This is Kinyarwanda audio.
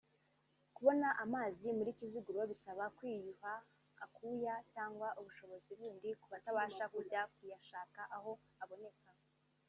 Kubona amazi muri Kiziguro bisaba kwiyuha akuya cyangwa ubushobozi bundi ku batabasha kujya kuyashaka aho aboneka